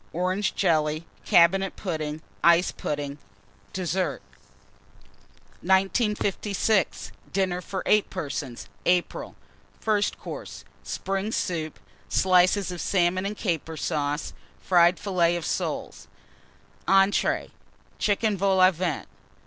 Orange Jelly. Cabinet Pudding. Ice Pudding. DESSERT. 1956. DINNER FOR 8 PERSONS (April). FIRST COURSE. Spring Soup. Slices of Salmon and Caper Sauce. Fried Filleted Soles. ENTREES. Chicken Vol au Vent.